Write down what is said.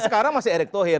sekarang masih erik thohir